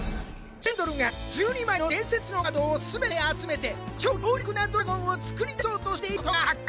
ジェンドルが１２枚の伝説のカードをすべて集めて超強力なドラゴンを作り出そうとしていることが発覚。